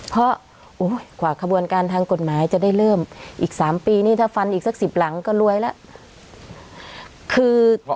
เพราะกว่าขบวนการทางกฎหมายจะได้เริ่มอีก๓ปีนี่ถ้าฟันอีกสัก๑๐หลังก็รวยแล้ว